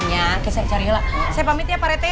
ya oke saya cari lah saya pamit ya pak rete ya